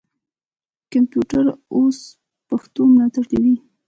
کمپیوټر اوس پښتو ملاتړ کوي.